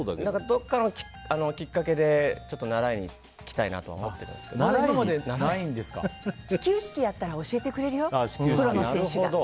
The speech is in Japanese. どこかのきっかけで習いに行きたいなと始球式やったら教えてくれるよ、プロの選手が。